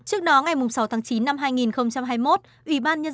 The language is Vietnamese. nhưng mà cái đăng ký hộ khẩu của em